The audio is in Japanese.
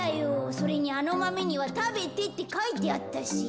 それにあのマメには「食べて」ってかいてあったし。